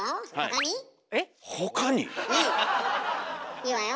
いいわよ